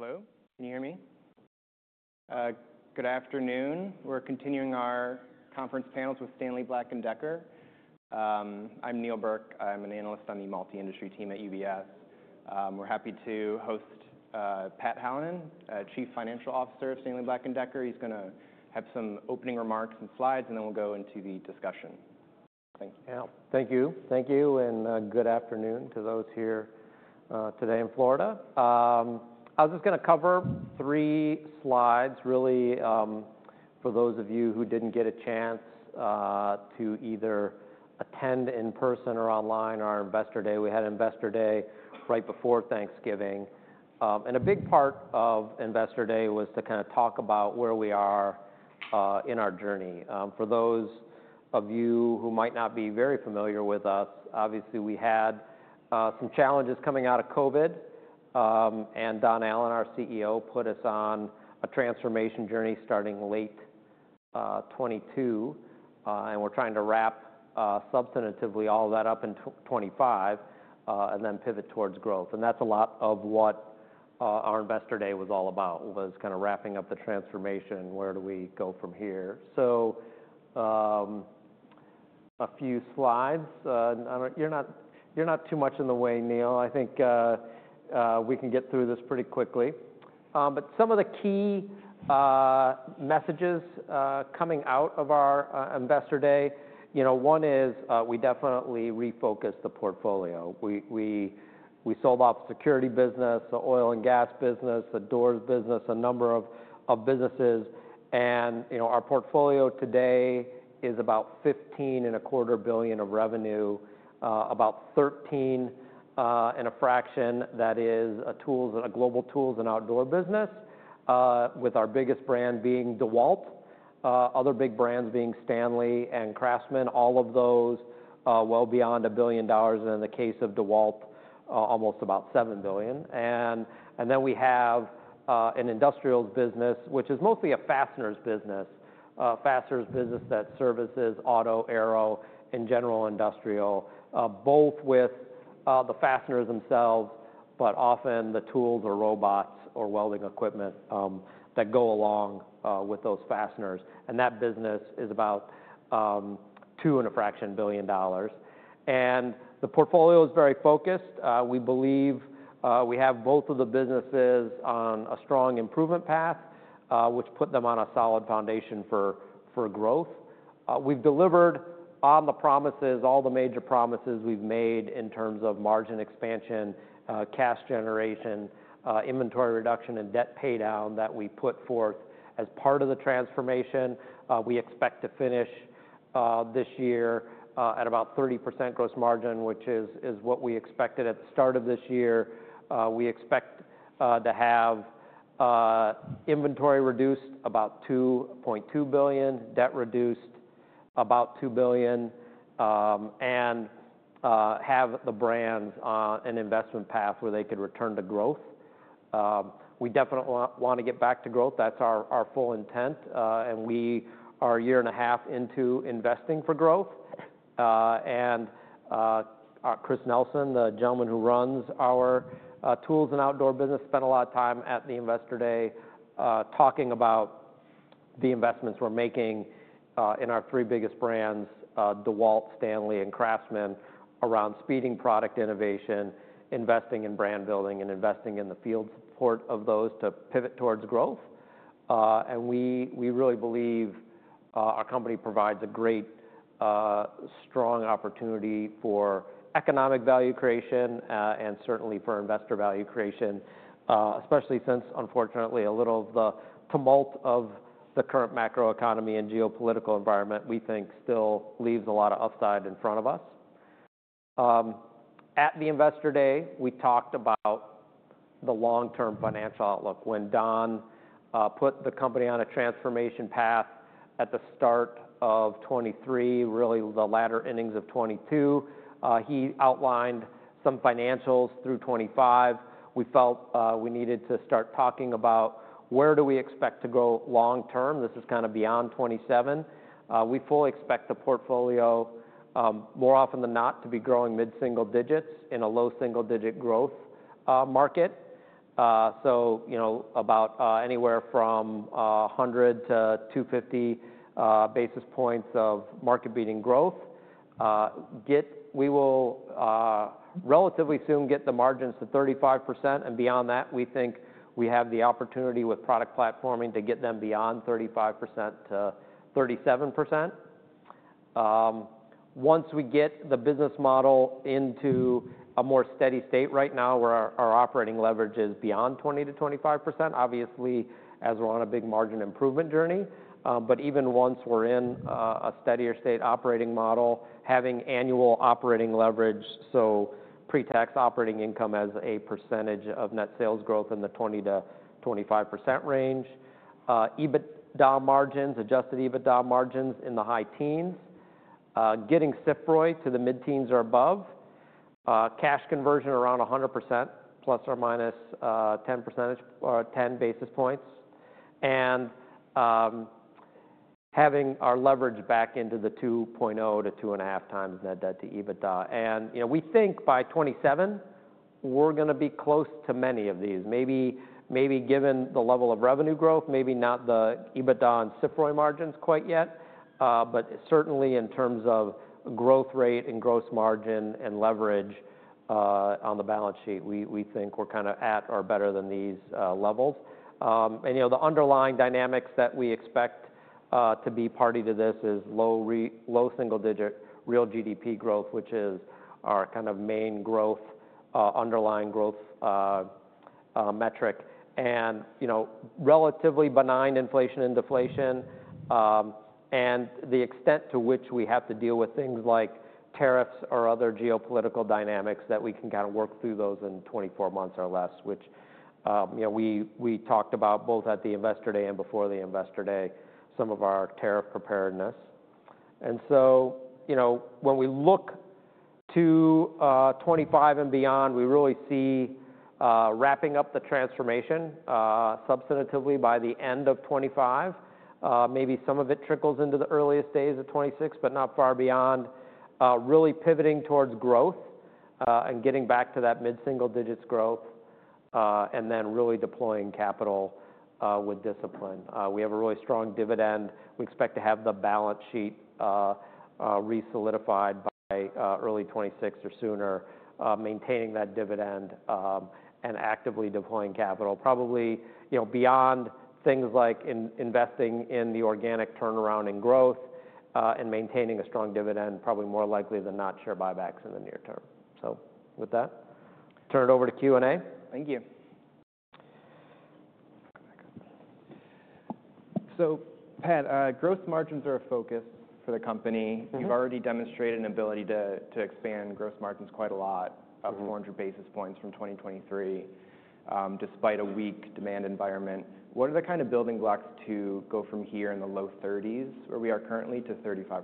Hello? Can you hear me? Good afternoon. We're continuing our conference panels with Stanley Black & Decker. I'm Neil Burke. I'm an analyst on the multi-industry team at UBS. We're happy to host Pat Hallinan, Chief Financial Officer of Stanley Black & Decker. He's gonna have some opening remarks and slides, and then we'll go into the discussion. Thank you. Yeah. Thank you. Thank you. And good afternoon to those here today in Florida. I was just gonna cover three slides, really, for those of you who didn't get a chance to either attend in person or online our Investor Day. We had Investor Day right before Thanksgiving. A big part of Investor Day was to kinda talk about where we are in our journey. For those of you who might not be very familiar with us, obviously we had some challenges coming out of COVID. Don Allan, our CEO, put us on a transformation journey starting late 2022. We're trying to wrap substantively all that up in 2025, and then pivot towards growth. That's a lot of what our Investor Day was all about, was kinda wrapping up the transformation, where do we go from here. A few slides. I don't know. You're not too much in the way, Neil. I think we can get through this pretty quickly. But some of the key messages coming out of our Investor Day, you know, one is we definitely refocused the portfolio. We sold off the security business, the oil and gas business, the doors business, a number of businesses. And you know, our portfolio today is about $15.25 billion of revenue, about $13 and a fraction that is tools and a global tools and outdoor business, with our biggest brand being DeWalt, other big brands being Stanley and Craftsman. All of those well beyond $1 billion. And in the case of DeWalt, almost about $7 billion. Then we have an industrials business, which is mostly a fasteners business that services auto, aero, and general industrial, both with the fasteners themselves, but often the tools or robots or welding equipment that go along with those fasteners. That business is about $2 and a fraction billion. The portfolio is very focused. We believe we have both of the businesses on a strong improvement path, which put them on a solid foundation for growth. We've delivered on the promises, all the major promises we've made in terms of margin expansion, cash generation, inventory reduction, and debt paydown that we put forth as part of the transformation. We expect to finish this year at about 30% gross margin, which is what we expected at the start of this year. We expect to have inventory reduced about $2.2 billion, debt reduced about $2 billion, and have the brands on an investment path where they could return to growth. We definitely wanna get back to growth. That's our full intent. We are a year and a half into investing for growth. Chris Nelson, the gentleman who runs our tools and outdoor business, spent a lot of time at the Investor Day, talking about the investments we're making in our three biggest brands, DeWalt, Stanley, and Craftsman, around speeding product innovation, investing in brand building, and investing in the field support of those to pivot towards growth. And we really believe our company provides a great, strong opportunity for economic value creation, and certainly for investor value creation, especially since, unfortunately, a little of the tumult of the current macroeconomy and geopolitical environment, we think, still leaves a lot of upside in front of us. At the Investor Day, we talked about the long-term financial outlook. When Don put the company on a transformation path at the start of 2023, really the latter innings of 2022, he outlined some financials through 2025. We felt we needed to start talking about where we expect to go long-term. This is kinda beyond 2027. We fully expect the portfolio, more often than not, to be growing mid-single digits in a low single-digit growth market. So, you know, about anywhere from 100 to 250 basis points of market-beating growth. We will get, relatively soon, the margins to 35%. And beyond that, we think we have the opportunity with product platforming to get them beyond 35% to 37%. Once we get the business model into a more steady state right now where our operating leverage is beyond 20% to 25%, obviously, as we're on a big margin improvement journey. But even once we're in a steadier state operating model, having annual operating leverage, so pre-tax operating income as a percentage of net sales growth in the 20% to 25% range, EBITDA margins, adjusted EBITDA margins in the high teens, getting CFROI to the mid-teens or above, cash conversion around 100%± 10 percentage or 10 basis points, and having our leverage back into the 2.0 to 2.5x net debt to EBITDA. And you know, we think by 2027 we're gonna be close to many of these. Maybe, maybe given the level of revenue growth, maybe not the EBITDA and CFROImargins quite yet. But certainly in terms of growth rate and gross margin and leverage on the balance sheet, we think we're kinda at or better than these levels. And you know, the underlying dynamics that we expect, part of this is low single-digit real GDP growth, which is our kind of main growth underlying growth metric. And you know, relatively benign inflation and deflation, and the extent to which we have to deal with things like tariffs or other geopolitical dynamics that we can kinda work through those in 24 months or less, which you know, we talked about both at the Investor Day and before the Investor Day, some of our tariff preparedness. So, you know, when we look to 2025 and beyond, we really see wrapping up the transformation substantively by the end of 2025. Maybe some of it trickles into the earliest days of 2026, but not far beyond, really pivoting towards growth, and getting back to that mid-single digits growth, and then really deploying capital with discipline. We have a really strong dividend. We expect to have the balance sheet re-solidified by early 2026 or sooner, maintaining that dividend, and actively deploying capital, probably, you know, beyond things like investing in the organic turnaround and growth, and maintaining a strong dividend, probably more likely than not share buybacks in the near term. With that, turn it over to Q&A. Thank you. So, Pat, gross margins are a focus for the company. You've already demonstrated an ability to expand gross margins quite a lot of 400 basis points from 2023, despite a weak demand environment. What are the kind of building blocks to go from here in the low 30s where we are currently to 35%?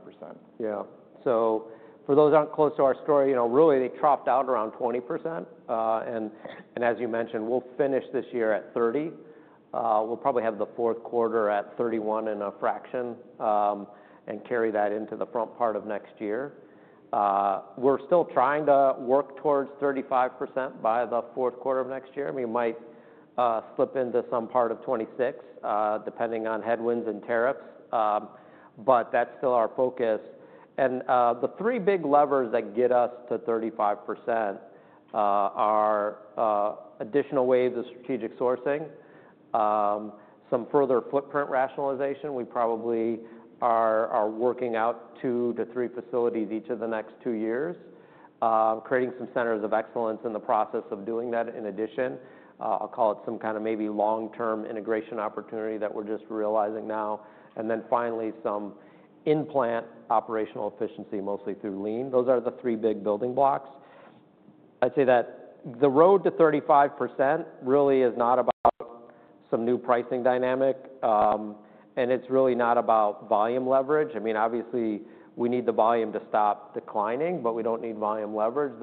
Yeah. So for those aren't close to our story, you know, really they chopped out around 20%. And as you mentioned, we'll finish this year at 30%. We'll probably have the Q4 at 31 and a fraction, and carry that into the front part of next year. We're still trying to work towards 35% by the Q4 of next year. We might slip into some part of 2026, depending on headwinds and tariffs. But that's still our focus. And the three big levers that get us to 35% are additional waves of strategic sourcing, some further footprint rationalization. We probably are working out two to three facilities each of the next two years, creating some centers of excellence in the process of doing that. In addition, I'll call it some kinda maybe long-term integration opportunity that we're just realizing now. And then finally, some improvement in operational efficiency, mostly through lean. Those are the three big building blocks. I'd say that the road to 35% really is not about some new pricing dynamic, and it's really not about volume leverage. I mean, obviously, we need the volume to stop declining, but we don't need volume leverage.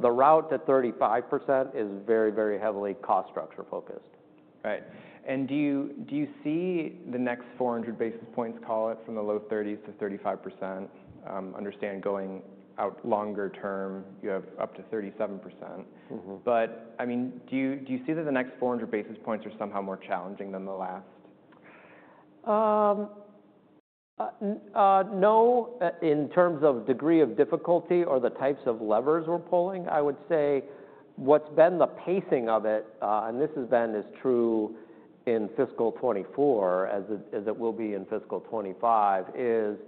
The route to 35% is very, very heavily cost structure focused. Right. And do you, do you see the next 400 basis points, call it from the low 30% to 35%? Understand going out longer term, you have up to 37%. Mm-hmm. But I mean, do you see that the next 400 basis points are somehow more challenging than the last? No, in terms of degree of difficulty or the types of levers we're pulling, I would say what's been the pacing of it, and this has been true in fiscal 2024 as it will be in fiscal 2025, is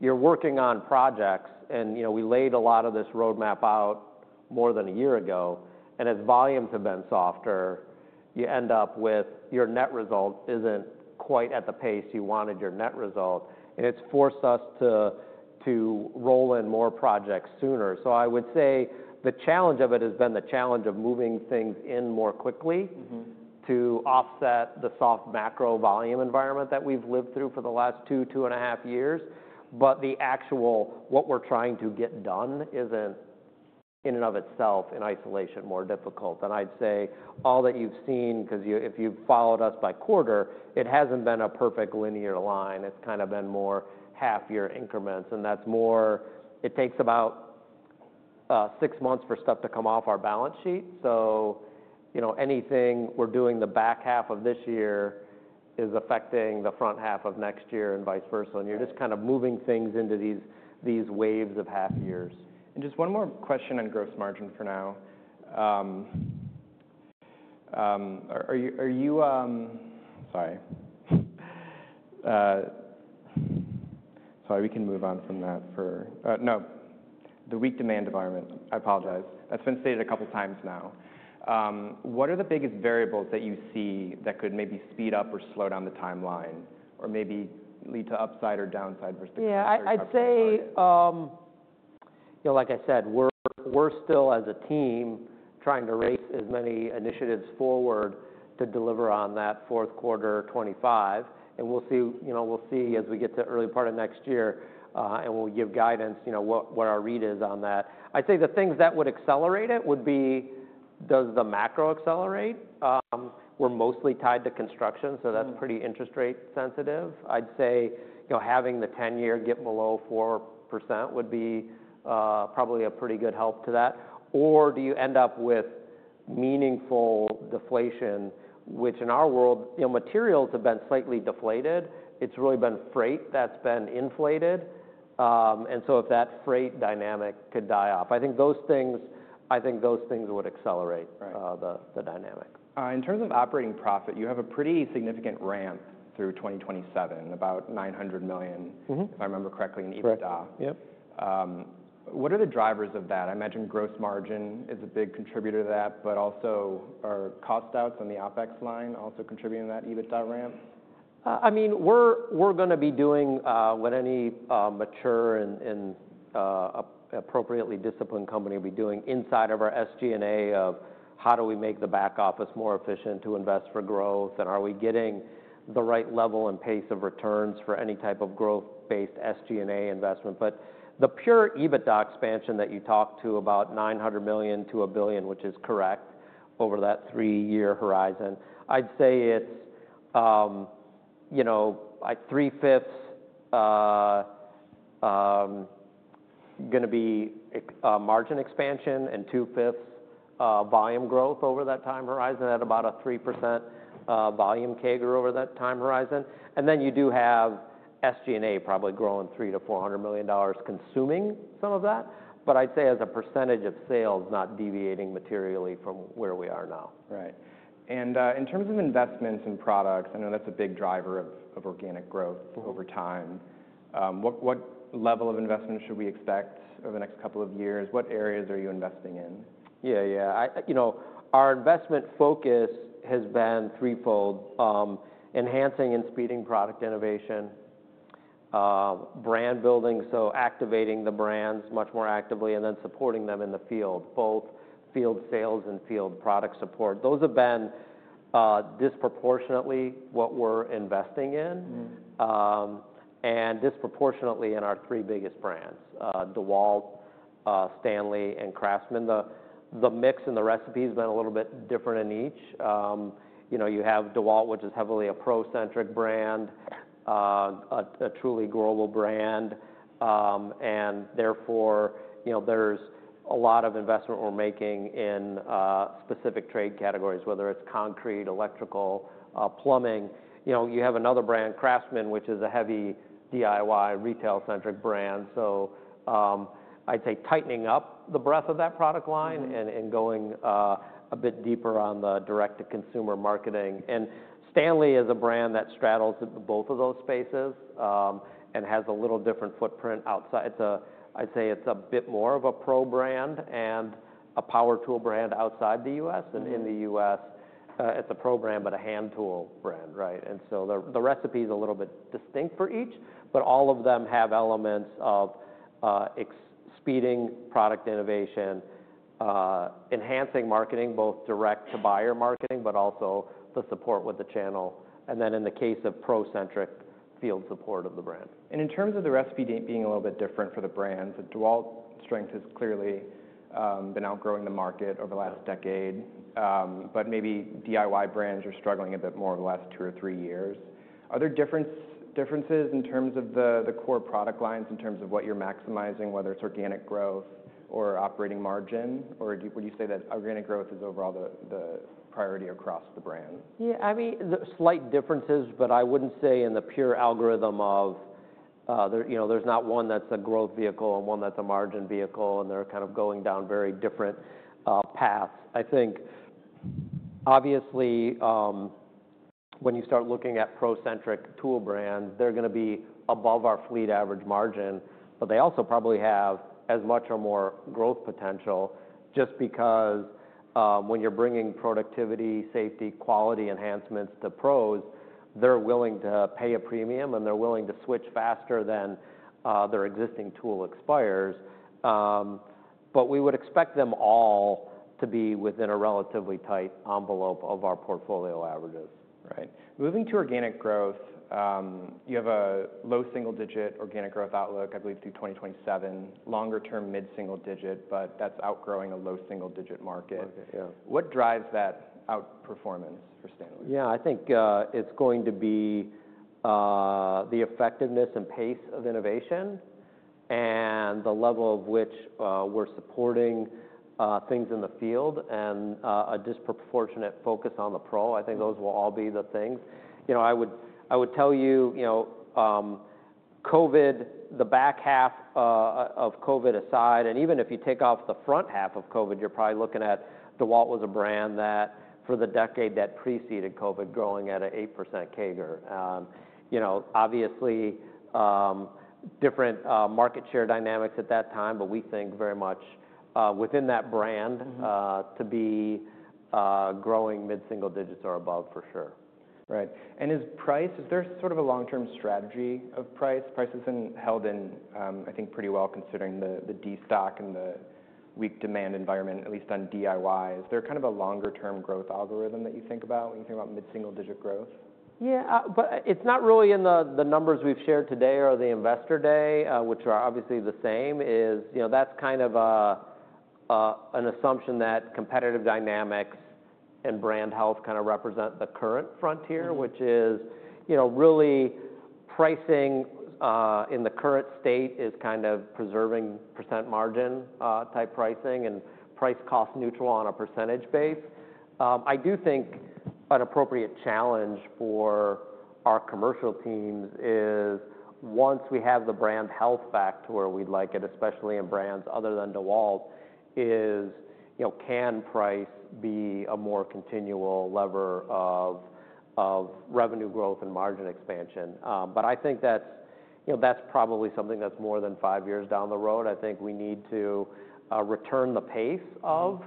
you're working on projects. And, you know, we laid a lot of this roadmap out more than a year ago. And as volumes have been softer, you end up with your net result isn't quite at the pace you wanted your net result. And it's forced us to roll in more projects sooner. So I would say the challenge of it has been the challenge of moving things in more quickly. Mm-hmm. To offset the soft macro volume environment that we've lived through for the last two, two and a half years. But the actual what we're trying to get done isn't, in and of itself, in isolation, more difficult. And I'd say all that you've seen, 'cause you, if you've followed us by quarter, it hasn't been a perfect linear line. It's kinda been more half-year increments. And that's more, it takes about, six months for stuff to come off our balance sheet. So, you know, anything we're doing the back half of this year is affecting the front half of next year and vice versa. And you're just kinda moving things into these, these waves of half years. Just one more question on gross margin for now. Sorry. We can move on from that, the weak demand environment. I apologize. That's been stated a couple times now. What are the biggest variables that you see that could maybe speed up or slow down the timeline or maybe lead to upside or downside versus the gross margin? Yeah, I'd say, you know, like I said, we're still as a team trying to raise as many initiatives forward to deliver on that Q4 2025. And we'll see, you know, we'll see as we get to early part of next year, and we'll give guidance, you know, what our read is on that. I'd say the things that would accelerate it would be, does the macro accelerate? We're mostly tied to construction, so that's pretty interest rate sensitive. I'd say, you know, having the 10-year get below 4% would be probably a pretty good help to that. Or do you end up with meaningful deflation, which in our world, you know, materials have been slightly deflated. It's really been freight that's been inflated. And so if that freight dynamic could die off, I think those things would accelerate. Right. The dynamic. In terms of operating profit, you have a pretty significant ramp through 2027, about $900 million. Mm-hmm. If I remember correctly in EBITDA. Correct. Yep. What are the drivers of that? I imagine gross margin is a big contributor to that, but also are cost outs on the OpEX line also contributing to that EBITDA ramp? I mean, we're gonna be doing what any mature and appropriately disciplined company will be doing inside of our SG&A of how do we make the back office more efficient to invest for growth? And are we getting the right level and pace of returns for any type of growth-based SG&A investment? But the pure EBITDA expansion that you talked about $900 million to $1 billion, which is correct over that three-year horizon, I'd say it's, you know, 3/5 gonna be a margin expansion and 2/5 volume growth over that time horizon at about a 3% volume CAGR over that time horizon. And then you do have SG&A probably growing $300-400 million consuming some of that. But I'd say as a percentage of sales, not deviating materially from where we are now. Right. And, in terms of investments and products, I know that's a big driver of organic growth over time. What level of investment should we expect over the next couple of years? What areas are you investing in? Yeah, yeah. I, you know, our investment focus has been threefold, enhancing and speeding product innovation, brand building, so activating the brands much more actively and then supporting them in the field, both field sales and field product support. Those have been, disproportionately what we're investing in. Mm-hmm. And disproportionately in our three biggest brands, DeWalt, Stanley, and Craftsman. The mix and the recipe has been a little bit different in each. You know, you have DeWalt, which is heavily a pro-centric brand, a truly global brand. And therefore, you know, there's a lot of investment we're making in specific trade categories, whether it's concrete, electrical, plumbing. You know, you have another brand, Craftsman, which is a heavy DIY retail-centric brand. So, I'd say tightening up the breadth of that product line and going a bit deeper on the direct-to-consumer marketing. And Stanley is a brand that straddles both of those spaces, and has a little different footprint outside. It's a. I'd say it's a bit more of a pro brand and a power tool brand outside the US And in the US, it's a pro brand, but a hand tool brand, right? And so the recipe's a little bit distinct for each, but all of them have elements of expediting product innovation, enhancing marketing, both direct-to-buyer marketing, but also the support with the channel. And then in the case of pro-centric field support of the brand. In terms of the recipe being a little bit different for the brands, DeWalt's strength has clearly been outgrowing the market over the last decade. Maybe DIY brands are struggling a bit more over the last two or three years. Are there differences in terms of the core product lines, in terms of what you're maximizing, whether it's organic growth or operating margin? Or would you say that organic growth is overall the priority across the brand? Yeah, I mean, the slight differences, but I wouldn't say in the pure algorithm of, there, you know, there's not one that's a growth vehicle and one that's a margin vehicle, and they're kind of going down very different paths. I think obviously, when you start looking at pro-centric tool brands, they're gonna be above our fleet average margin, but they also probably have as much or more growth potential just because, when you're bringing productivity, safety, quality enhancements to pros, they're willing to pay a premium and they're willing to switch faster than their existing tool expires. But we would expect them all to be within a relatively tight envelope of our portfolio averages. Right. Moving to organic growth, you have a low single-digit organic growth outlook, I believe, through 2027, longer-term mid-single digit, but that's outgrowing a low single-digit market. Market, yeah. What drives that outperformance for Stanley? Yeah, I think it's going to be the effectiveness and pace of innovation and the level of which we're supporting things in the field and a disproportionate focus on the pro. I think those will all be the things. You know, I would tell you, you know, COVID, the back half of COVID aside, and even if you take off the front half of COVID, you're probably looking at DeWalt was a brand that for the decade that preceded COVID growing at an 8% CAGR. You know, obviously different market share dynamics at that time, but we think very much within that brand to be growing mid-single digits or above for sure. Right. And is price, is there sort of a long-term strategy of price? Price has been held in, I think pretty well considering the destocking and the weak demand environment, at least on DIY. Is there kind of a longer-term growth algorithm that you think about when you think about mid-single digit growth? Yeah, but it's not really in the numbers we've shared today or the investor day, which are obviously the same. You know, that's kind of an assumption that competitive dynamics and brand health kinda represent the current frontier, which is, you know, really pricing. In the current state is kind of preserving % margin-type pricing and price-cost neutral on a percentage base. I do think an appropriate challenge for our commercial teams is once we have the brand health back to where we'd like it, especially in brands other than DeWalt. You know, can price be a more continual lever of revenue growth and margin expansion? But I think that's, you know, that's probably something that's more than five years down the road. I think we need to return to the pace of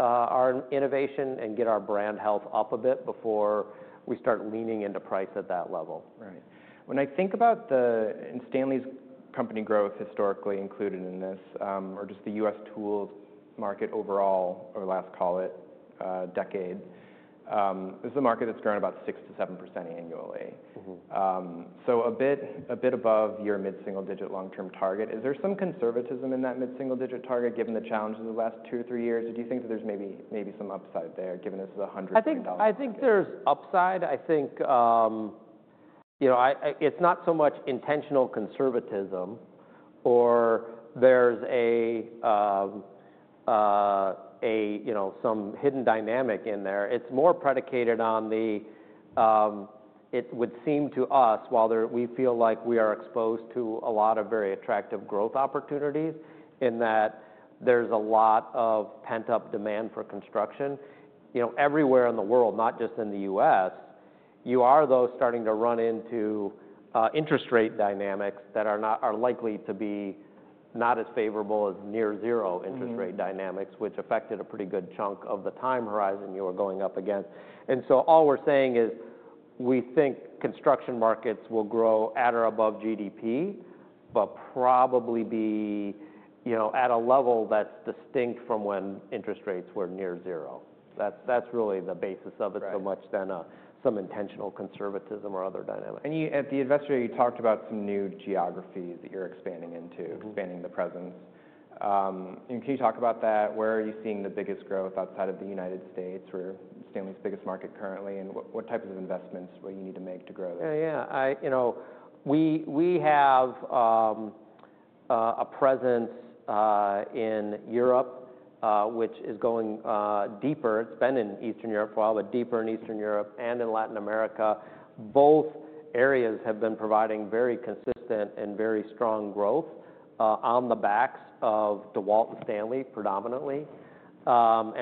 our innovation and get our brand health up a bit before we start leaning into price at that level. Right. When I think about the, in Stanley's company growth historically included in this, or just the US tools market overall over the last call it, decade, this is a market that's grown about 6% to 7% annually. Mm-hmm. So a bit, a bit above your mid-single-digit long-term target. Is there some conservatism in that mid-single-digit target given the challenges of the last two or three years? Or do you think that there's maybe, maybe some upside there given this is $100,000? I think there's upside. I think, you know, it's not so much intentional conservatism or there's a, you know, some hidden dynamic in there. It's more predicated on the, it would seem to us while there, we feel like we are exposed to a lot of very attractive growth opportunities in that there's a lot of pent-up demand for construction, you know, everywhere in the world, not just in the US. You are though starting to run into interest rate dynamics that are not, are likely to be not as favorable as near-zero interest rate dynamics, which affected a pretty good chunk of the time horizon you were going up against. And so all we're saying is we think construction markets will grow at or above GDP, but probably, you know, at a level that's distinct from when interest rates were near zero. That's really the basis of it so much as some intentional conservatism or other dynamic. And you, at the investor, you talked about some new geographies that you're expanding into, expanding the presence. And can you talk about that? Where are you seeing the biggest growth outside of the United States for Stanley's biggest market currently? And what types of investments will you need to make to grow that? Yeah, yeah. You know, we have a presence in Europe, which is going deeper. It's been in Eastern Europe for a while, but deeper in Eastern Europe and in Latin America. Both areas have been providing very consistent and very strong growth, on the backs of DeWalt and Stanley predominantly.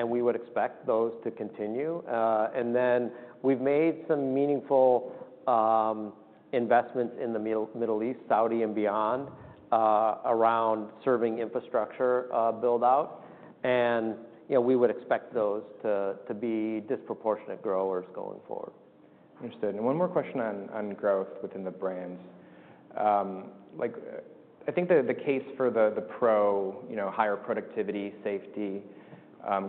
We would expect those to continue. Then we've made some meaningful investments in the Middle East, Saudi, and beyond, around serving infrastructure buildout. You know, we would expect those to be disproportionate growers going forward. Understood. And one more question on growth within the brands. Like, I think the case for the pro, you know, higher productivity, safety,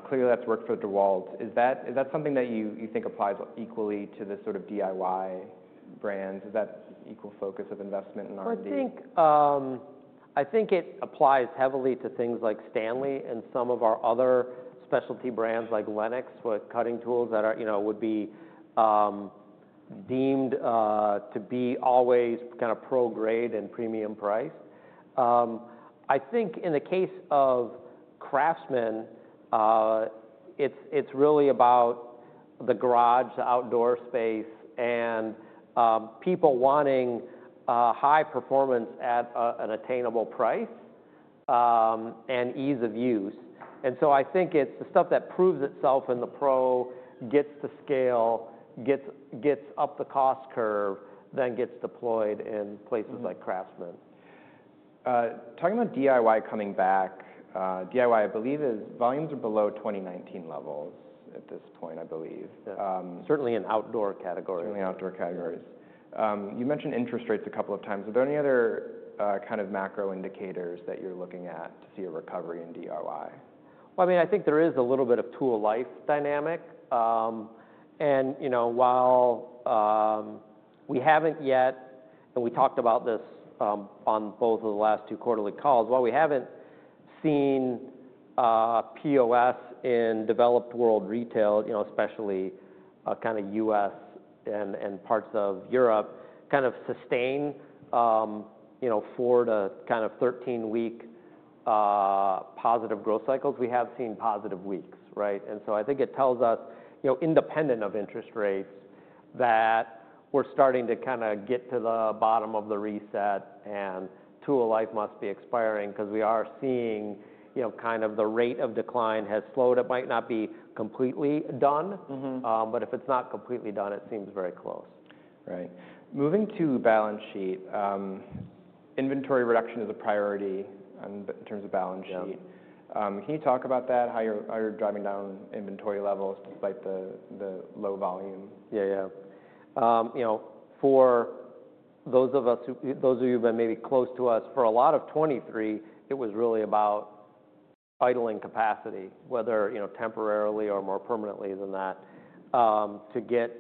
clearly that's worked for DeWalt. Is that something that you think applies equally to the sort of DIY brands? Is that equal focus of investment in R&D? I think, I think it applies heavily to things like Stanley and some of our other specialty brands like Lenox, with cutting tools that are, you know, would be deemed to be always kinda pro grade and premium priced. I think in the case of Craftsman, it's really about the garage, the outdoor space, and people wanting high performance at an attainable price, and ease of use. And so I think it's the stuff that proves itself in the pro, gets to scale, gets up the cost curve, then gets deployed in places like Craftsman. Talking about DIY coming back, DIY, I believe, its volumes are below 2019 levels at this point, I believe. Certainly in outdoor categories. Certainly outdoor categories. You mentioned interest rates a couple of times. Are there any other, kind of macro indicators that you're looking at to see a recovery in DIY? I mean, I think there is a little bit of tool life dynamic, and you know, while we haven't yet, and we talked about this on both of the last two quarterly calls, while we haven't seen POS in developed world retail, you know, especially kinda US and parts of Europe kind of sustain you know, four to kind of 13-week positive growth cycles, we have seen positive weeks, right, so I think it tells us, you know, independent of interest rates, that we're starting to kinda get to the bottom of the reset and tool life must be expiring 'cause we are seeing, you know, kind of the rate of decline has slowed. It might not be completely done. Mm-hmm. But if it's not completely done, it seems very close. Right. Moving to balance sheet, inventory reduction is a priority in terms of balance sheet. Yeah. Can you talk about that, how you're driving down inventory levels despite the low volume? Yeah, yeah. You know, for those of us who, those of you who've been maybe close to us, for a lot of 2023, it was really about idling capacity, whether you know, temporarily or more permanently than that, to get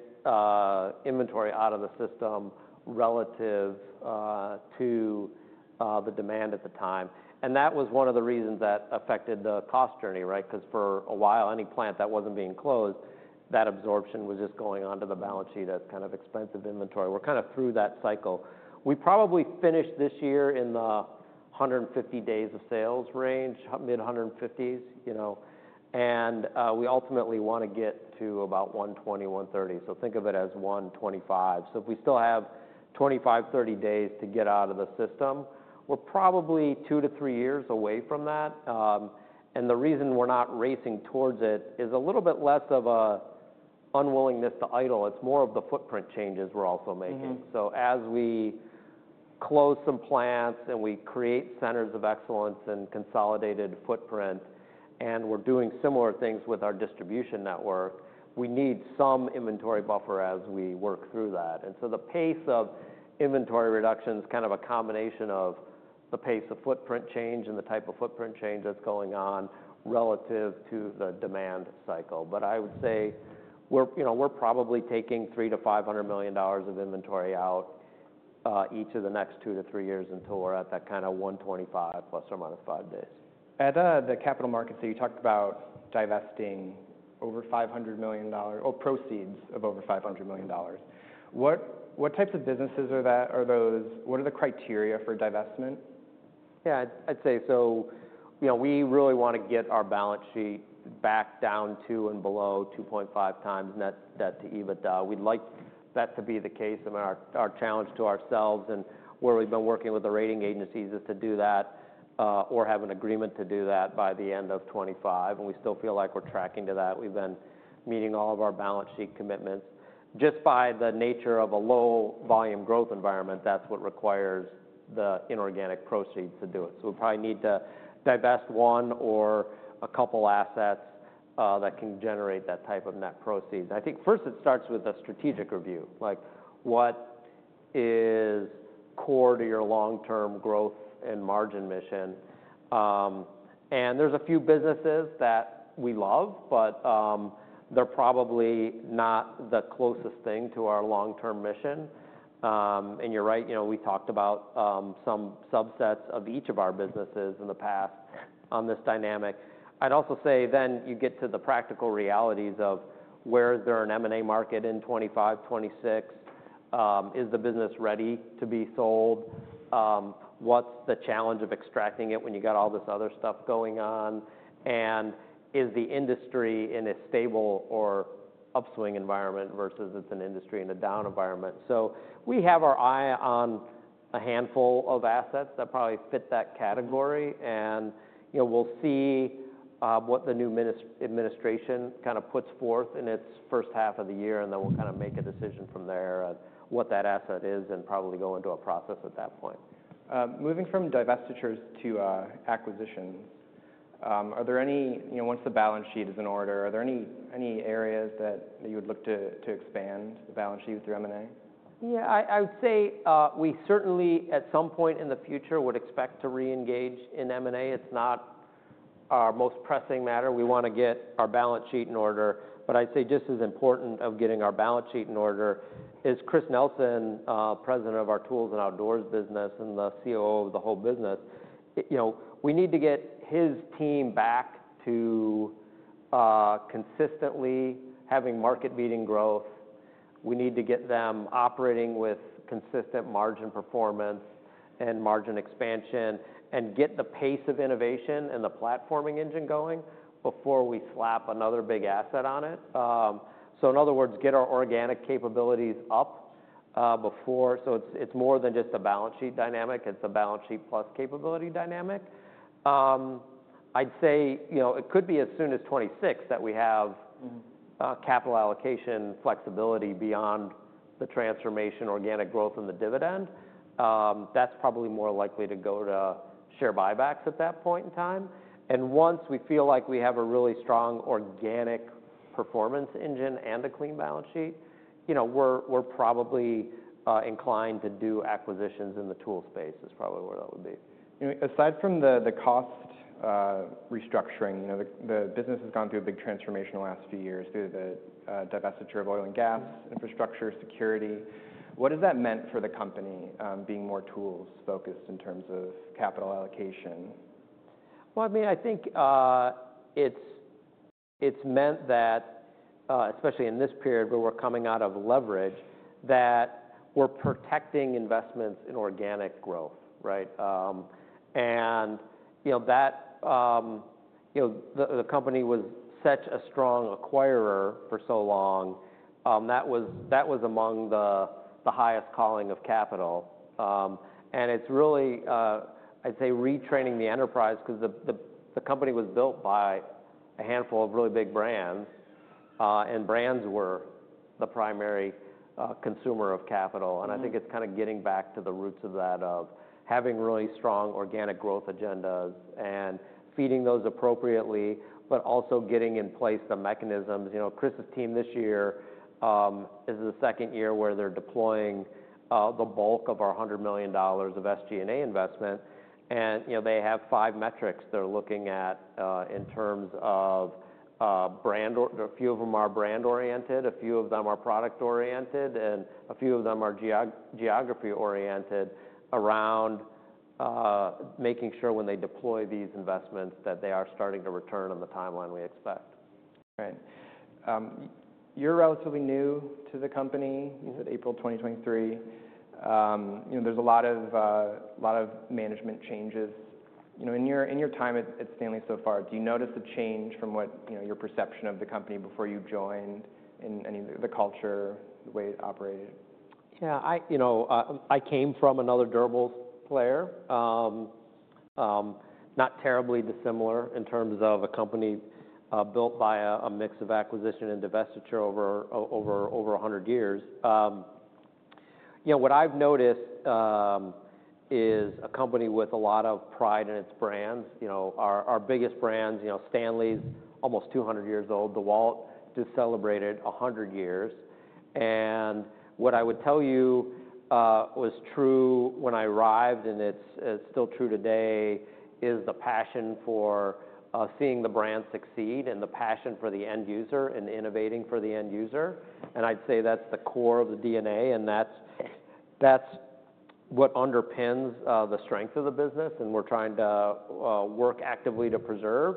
inventory out of the system relative to the demand at the time, and that was one of the reasons that affected the cost journey, right? 'Cause for a while, any plant that wasn't being closed, that absorption was just going onto the balance sheet as kind of expensive inventory. We're kinda through that cycle. We probably finished this year in the 150 days of sales range, mid-150s, you know, and we ultimately wanna get to about 120-130. So think of it as 125. So if we still have 25-30 days to get out of the system, we're probably two to three years away from that. The reason we're not racing towards it is a little bit less of an unwillingness to idle. It's more of the footprint changes we're also making. Mm-hmm. So as we close some plants and we create centers of excellence and consolidated footprint, and we're doing similar things with our distribution network, we need some inventory buffer as we work through that. And so the pace of inventory reduction is kind of a combination of the pace of footprint change and the type of footprint change that's going on relative to the demand cycle. But I would say we're, you know, we're probably taking $300-500 million of inventory out, each of the next two to three years until we're at that kinda 125± five days. At the capital markets, so you talked about divesting over $500 million or proceeds of over $500 million. What types of businesses are that? Are those, what are the criteria for divestment? Yeah, I'd say so. You know, we really wanna get our balance sheet back down to and below 2.5x net debt to EBITDA. We'd like that to be the case and our challenge to ourselves. And where we've been working with the rating agencies is to do that, or have an agreement to do that by the end of 2025. And we still feel like we're tracking to that. We've been meeting all of our balance sheet commitments. Just by the nature of a low volume growth environment, that's what requires the inorganic proceeds to do it. So we probably need to divest one or a couple assets, that can generate that type of net proceeds. I think first it starts with a strategic review, like what is core to your long-term growth and margin mission? And there's a few businesses that we love, but they're probably not the closest thing to our long-term mission. And you're right, you know, we talked about some subsets of each of our businesses in the past on this dynamic. I'd also say then you get to the practical realities of where is there an M&A market in 2025, 2026? Is the business ready to be sold? What's the challenge of extracting it when you got all this other stuff going on? And is the industry in a stable or upswing environment versus it's an industry in a down environment? So we have our eye on a handful of assets that probably fit that category. You know, we'll see what the new administration kinda puts forth in its first half of the year, and then we'll kinda make a decision from there on what that asset is and probably go into a process at that point. Moving from divestitures to acquisitions, are there any, you know, once the balance sheet is in order, areas that you would look to expand the balance sheet with your M&A? Yeah, I would say, we certainly at some point in the future would expect to reengage in M&A. It's not our most pressing matter. We wanna get our balance sheet in order. But I'd say just as important of getting our balance sheet in order is Chris Nelson, president of our tools and outdoor business and the COO of the whole business. You know, we need to get his team back to consistently having market beating growth. We need to get them operating with consistent margin performance and margin expansion and get the pace of innovation and the platforming engine going before we slap another big asset on it. So in other words, get our organic capabilities up before. So it's more than just a balance sheet dynamic. It's a balance sheet plus capability dynamic. I'd say, you know, it could be as soon as 2026 that we have capital allocation flexibility beyond the transformation, organic growth, and the dividend. That's probably more likely to go to share buybacks at that point in time. And once we feel like we have a really strong organic performance engine and a clean balance sheet, you know, we're probably inclined to do acquisitions in the tool space is probably where that would be. You know, aside from the cost restructuring, you know, the business has gone through a big transformation the last few years through the divestiture of oil and gas infrastructure security. What has that meant for the company, being more tools focused in terms of capital allocation? I mean, I think it's meant that, especially in this period where we're coming out of leverage, that we're protecting investments in organic growth, right? You know, that you know the company was such a strong acquirer for so long. That was among the highest calling of capital. It's really, I'd say, retraining the enterprise 'cause the company was built by a handful of really big brands, and brands were the primary consumer of capital. I think it's kinda getting back to the roots of that of having really strong organic growth agendas and feeding those appropriately, but also getting in place the mechanisms. You know, Chris's team this year is the second year where they're deploying the bulk of our $100 million of SG&A investment. You know, they have five metrics they're looking at, in terms of brand or a few of them are brand oriented, a few of them are product oriented, and a few of them are geography oriented around making sure when they deploy these investments that they are starting to return on the timeline we expect. Right. You're relatively new to the company. You said April 2023. You know, there's a lot of, a lot of management changes. You know, in your, in your time at, at Stanley so far, do you notice a change from what, you know, your perception of the company before you joined in any of the culture, the way it operated? Yeah, you know, I came from another durable goods player, not terribly dissimilar in terms of a company built by a mix of acquisition and divestiture over 100 years. You know, what I've noticed is a company with a lot of pride in its brands. You know, our biggest brands, you know, Stanley's almost 200 years old. DeWalt just celebrated 100 years. What I would tell you was true when I arrived, and it's still true today, is the passion for seeing the brand succeed and the passion for the end user and innovating for the end user. I'd say that's the core of the DNA, and that's what underpins the strength of the business, and we're trying to work actively to preserve.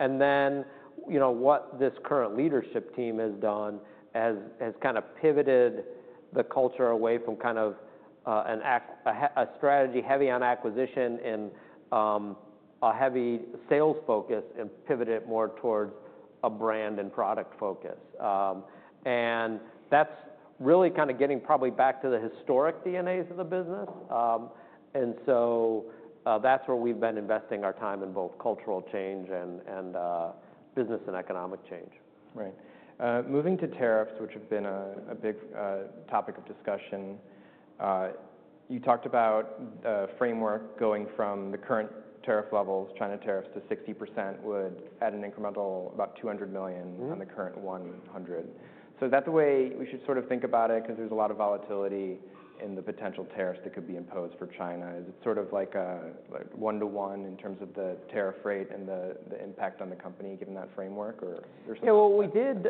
And then, you know, what this current leadership team has done has kinda pivoted the culture away from kind of an acquisition strategy heavy on acquisition and a heavy sales focus and pivoted more towards a brand and product focus. That's really kinda getting probably back to the historic DNAs of the business. So, that's where we've been investing our time in both cultural change and business and economic change. Right. Moving to tariffs, which have been a big topic of discussion. You talked about the framework going from the current tariff levels, China tariffs to 60% would add an incremental about $200 million on the current $100 million. So is that the way we should sort of think about it? 'Cause there's a lot of volatility in the potential tariffs that could be imposed for China. Is it sort of like, like one-to-one in terms of the tariff rate and the impact on the company given that framework, or there's something? Yeah, well, we did,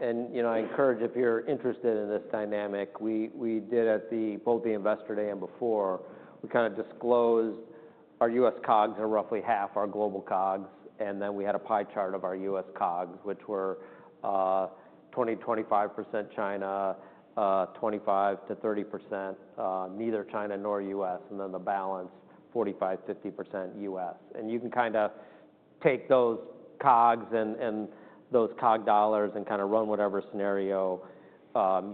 and, you know, I encourage, if you're interested in this dynamic, we, we did at both the investor day and before, we kinda disclosed our US COGS are roughly half our global COGS. And then we had a pie chart of our U.S. COGS, which were 20%-25% China, 25%-30% neither China nor U.S., and then the balance 45%-50% U.S. And you can kinda take those COGS and, and those COG dollars and kinda run whatever scenario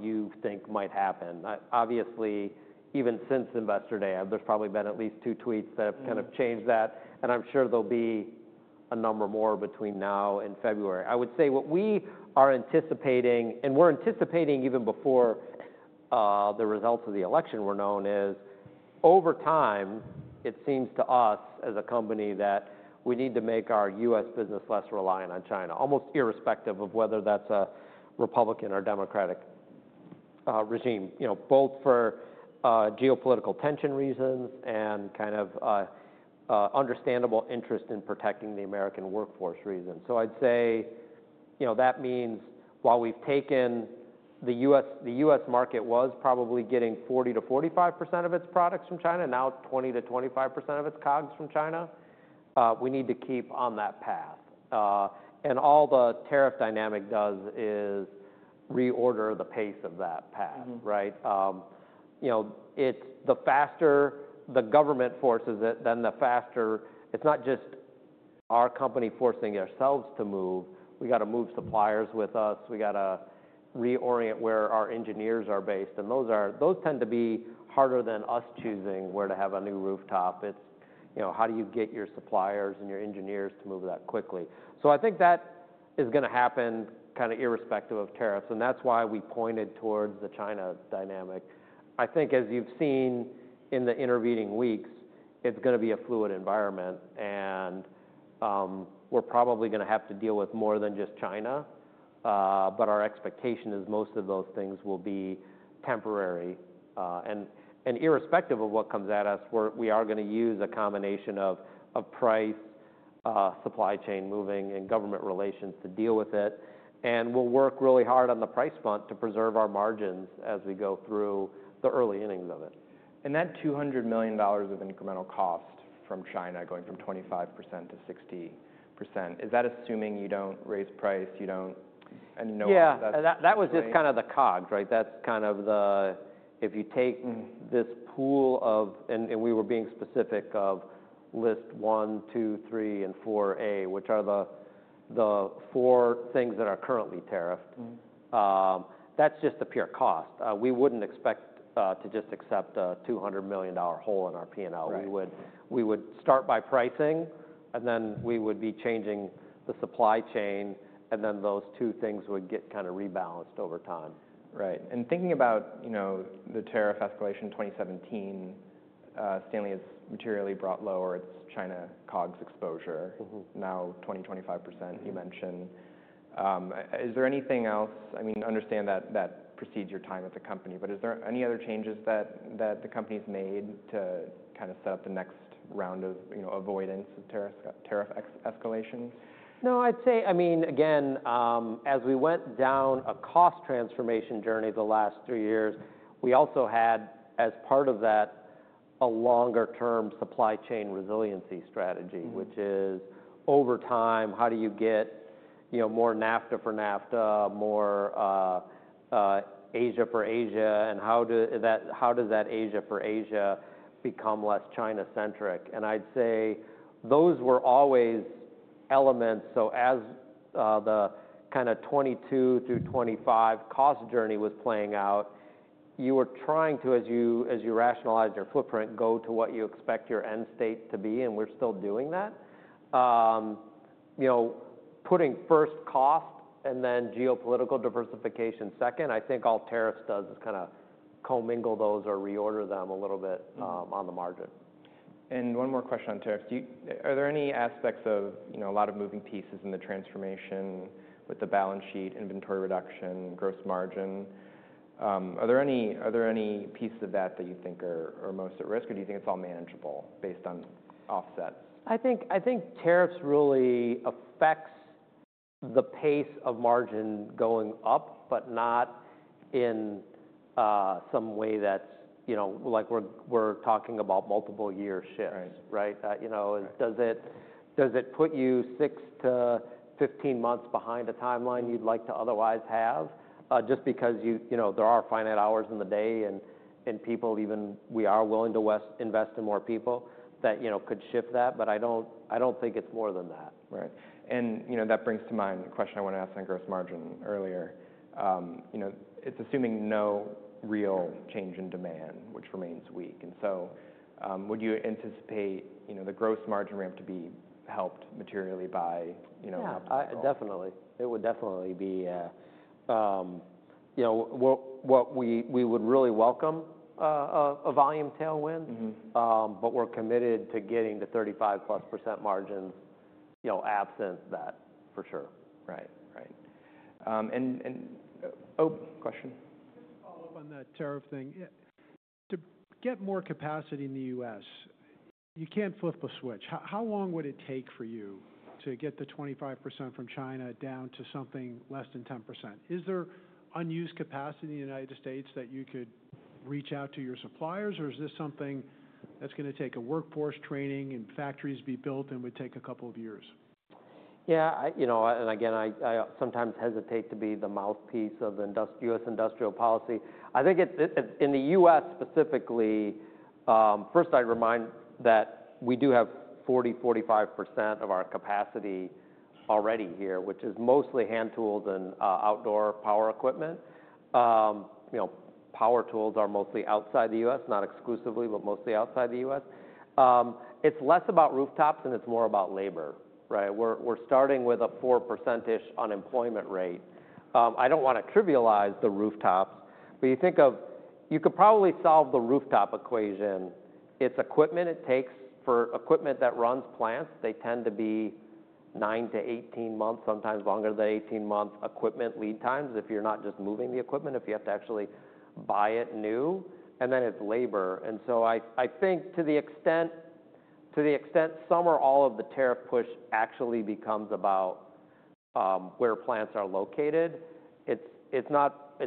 you think might happen. Obviously, even since investor day, there's probably been at least two tweets that have kind of changed that, and I'm sure there'll be a number more between now and February. I would say what we are anticipating, and we're anticipating even before the results of the election were known, is over time, it seems to us as a company that we need to make our US business less reliant on China, almost irrespective of whether that's a Republican or Democratic regime, you know, both for geopolitical tension reasons and kind of understandable interest in protecting the American workforce reasons. So I'd say, you know, that means while we've taken the US, the U.S. market was probably getting 40%-45% of its products from China, now 20%-25% of its COGS from China, we need to keep on that path, and all the tariff dynamic does is reorder the pace of that path, right? You know, it's the faster the government forces it, then the faster it's not just our company forcing ourselves to move. We gotta move suppliers with us. We gotta reorient where our engineers are based. And those are, those tend to be harder than us choosing where to have a new rooftop. It's, you know, how do you get your suppliers and your engineers to move that quickly? So I think that is gonna happen kinda irrespective of tariffs. And that's why we pointed towards the China dynamic. I think as you've seen in the intervening weeks, it's gonna be a fluid environment. And we're probably gonna have to deal with more than just China, but our expectation is most of those things will be temporary. And irrespective of what comes at us, we're gonna use a combination of price, supply chain moving and government relations to deal with it. We'll work really hard on the price front to preserve our margins as we go through the early innings of it. That $200 million of incremental cost from China going from 25%-60%, is that assuming you don't raise price, you don't, and no one does? Yeah, that was just kind of the COGS, right? That's kind of the, if you take this pool of, and we were being specific of list one, two, three, and four A, which are the four things that are currently tariffed. That's just the pure cost. We wouldn't expect to just accept a $200 million hole in our P&L. We would start by pricing, and then we would be changing the supply chain, and then those two things would get kinda rebalanced over time. Right. And thinking about, you know, the tariff escalation in 2017, Stanley has materially brought lower its China COGS exposure, now 20%-25% you mentioned. Is there anything else? I mean, understand that, that precedes your time at the company, but is there any other changes that, that the company's made to kinda set up the next round of, you know, avoidance of tariff, tariff ex-escalation? No, I'd say, I mean, again, as we went down a cost transformation journey the last three years, we also had, as part of that, a longer-term supply chain resiliency strategy, which is over time, how do you get, you know, more NAFTA for NAFTA, more, Asia for Asia, and how does that, how does that Asia for Asia become less China-centric? And I'd say those were always elements. So as, the kinda 2022 through 2025 cost journey was playing out, you were trying to, as you, as you rationalize your footprint, go to what you expect your end state to be. And we're still doing that. You know, putting first cost and then geopolitical diversification second, I think all tariffs does is kinda commingle those or reorder them a little bit, on the margin. One more question on tariffs. Are there any aspects of, you know, a lot of moving pieces in the transformation with the balance sheet, inventory reduction, gross margin? Are there any pieces of that that you think are most at risk, or do you think it's all manageable based on offsets? I think, I think tariffs really affects the pace of margin going up, but not in some way that's, you know, like we're talking about multiple year shifts, right? You know, does it put you six to 15 months behind a timeline you'd like to otherwise have, just because you know, there are finite hours in the day and people even, we are willing to invest in more people that you know could shift that. But I don't think it's more than that. Right. And you know, that brings to mind the question I wanted to ask on gross margin earlier. You know, it's assuming no real change in demand, which remains weak. And so, would you anticipate, you know, the gross margin ramp to be helped materially by, you know, capital? Yeah, definitely. It would definitely be, you know, what we would really welcome, a volume tailwind. But we're committed to getting the 35%+ margins, you know, absent that for sure. Right, right, and oh, question? Just follow up on that tariff thing. Yeah. To get more capacity in the US, you can't flip a switch. How, how long would it take for you to get the 25% from China down to something less than 10%? Is there unused capacity in the United States that you could reach out to your suppliers, or is this something that's gonna take a workforce training and factories be built and would take a couple of years? Yeah, you know, and again, I sometimes hesitate to be the mouthpiece of the new U.S. industrial policy. I think it in the U.S. specifically. First, I'd remind that we do have 40%-45% of our capacity already here, which is mostly hand tools and outdoor power equipment. You know, power tools are mostly outside the US, not exclusively, but mostly outside the US It's less about rooftops and it's more about labor, right? We're starting with a 4% unemployment rate. I don't wanna trivialize the rooftops, but you think of, you could probably solve the rooftop equation. It's equipment it takes for equipment that runs plants. They tend to be nine to 18 months, sometimes longer than 18 months equipment lead times if you're not just moving the equipment, if you have to actually buy it new, and then it's labor. And so I think to the extent some or all of the tariff push actually becomes about where plants are located, it's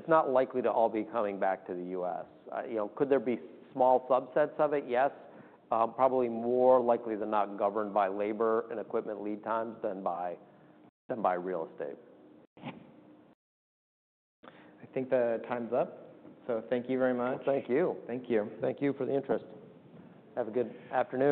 not likely to all be coming back to the US. You know, could there be small subsets of it? Yes. Probably more likely than not governed by labor and equipment lead times than by real estate. I think the time's up. So thank you very much. Thank you. Thank you. Thank you for the interest. Have a good afternoon.